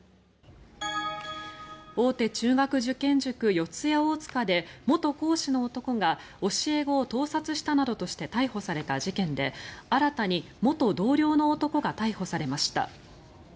大手中学受験塾、四谷大塚で元講師の男が教え子を盗撮したなどとして逮捕された事件で新たに元同僚の男が逮捕されました。